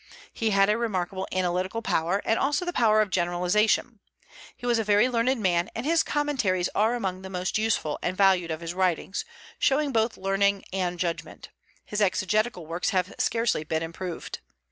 He had a remarkable analytical power, and also the power of generalization. He was a very learned man, and his Commentaries are among the most useful and valued of his writings, showing both learning and judgment; his exegetical works have scarcely been improved.